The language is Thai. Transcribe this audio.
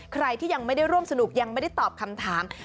ใครที่ยังไม่ได้ร่วมสนุกยังไม่ได้ตอบคำถาม